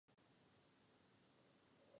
To je nezbytné z důvodu právní jistoty.